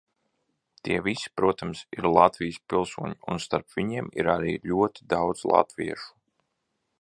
Tie visi, protams, ir Latvijas pilsoņi, un starp viņiem ir arī ļoti daudz latviešu.